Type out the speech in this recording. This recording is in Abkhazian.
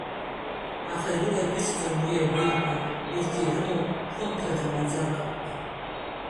Аха ирылакьысӡом уи агәилқәа, урҭ ирымоуп хымԥада маӡак.